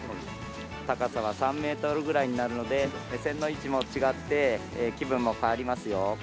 高さは３メートルぐらいになるので目線の位置も違って気分も変わりますよ。